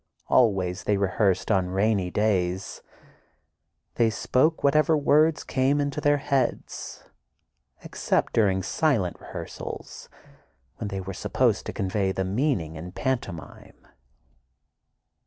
Always they rehearsed on rainy days. They spoke whatever words came into their heads, except during "silent rehearsals," when they were supposed to convey the meaning in pantomime.